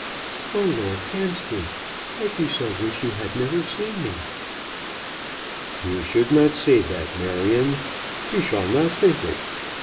"Oh, Lord Hampstead, I do so wish you had never seen me." "You should not say that, Marion; you shall not think it.